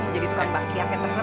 mau jadi tukang bakri akan terseram